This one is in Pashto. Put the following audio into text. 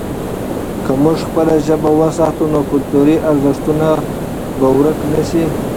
که موږ خپله ژبه وساتو، نو کلتوري ارزښتونه به ورک نه سي.